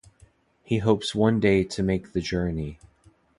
He hopes one day to make the journey.